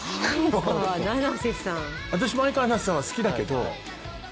私も相川七瀬さんは好きだけど。